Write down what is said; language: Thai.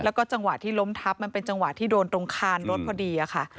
แล้วก็จังหวะที่ล้มทับมันเป็นจังหวะที่โดนตรงคานรถพอดีค่ะ